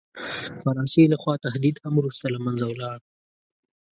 فرانسې له خوا تهدید هم وروسته له منځه ولاړ.